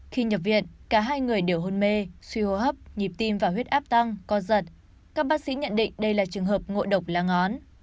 khi nhập viện cả hai người đều hôn mê suy hô hấp nhịp tim và huyết áp tăng co giật các bác sĩ nhận định đây là trường hợp ngộ độc lá ngón